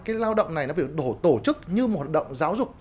cái lao động này nó phải tổ chức như một động giáo dục